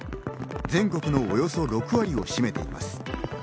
全国のおよそ６割を占めています。